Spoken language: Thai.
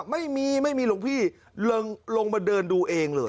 ไม่มีไม่มีหลวงพี่ลงมาเดินดูเองเลย